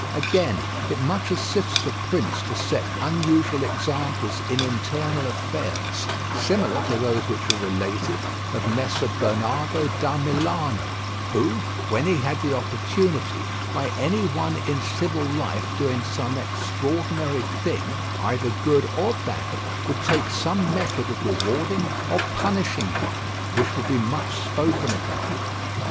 Again, it much assists a prince to set unusual examples in internal affairs, similar to those which are related of Messer Bernabo da Milano, who, when he had the opportunity, by any one in civil life doing some extraordinary thing, either good or bad, would take some method of rewarding or punishing him, which would be much spoken about.